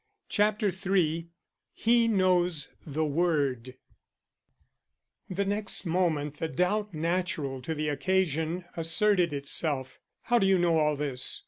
_" CHAPTER III "HE KNOWS THE WORD" The next moment the doubt natural to the occasion asserted itself. "How do you know all this?